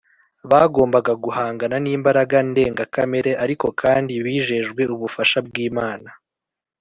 bagombaga guhangana n’imbaraga ndengakamere, ariko kandi bijejwe ubufasha bw’imana